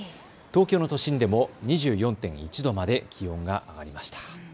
東京の都心でも２４．１度まで気温が上がりました。